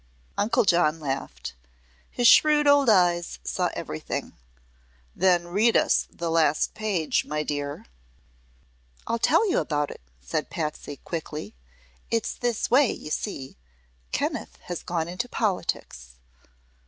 Uncle John laughed. His shrewd old eyes saw everything. "Then read us the last page, my dear." "I'll tell you about it," said Patsy, quickly. "It's this way, you see. Kenneth has gone into politics!"